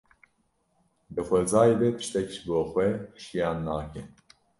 Di xwezayê de tiştek ji bo xwe jiyan nake.